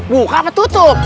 buka apa tutup